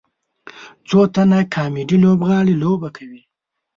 څو تنه کامیډي لوبغاړي لوبه کوي.